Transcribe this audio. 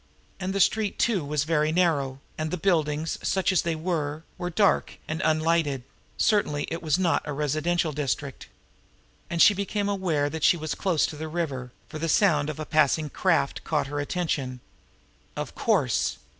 And the street too was very narrow, and the buildings, such as they were, were dark and unlighted certainly it was not a residential district! And now she became aware that she was close to the river, for the sound of a passing craft caught her attention. Of course!